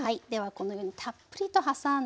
このようにたっぷりと挟んで。